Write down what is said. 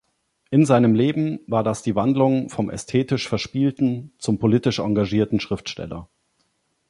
In seinem Leben war das die Wandlung vom ästhetisch-verspielten zum politisch engagierten Schriftsteller.